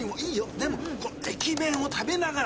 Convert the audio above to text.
でも駅弁を食べながら。